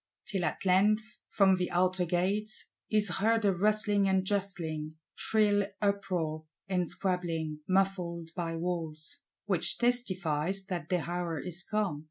Till at length, from the outer gates, is heard a rustling and justling, shrill uproar and squabbling, muffled by walls; which testifies that the hour is come!